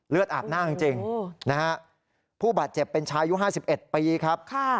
เลือดอาบหน้าจริงนะฮะผู้บัดเจ็บเป็นชายุ่ง๕๑ปีครับค่ะ